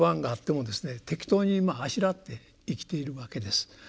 適当にあしらって生きているわけです。